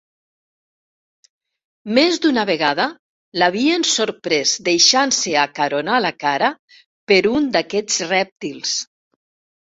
Més d'una vegada l'havien sorprès deixant-se acaronar la cara per un d'aquests rèptils.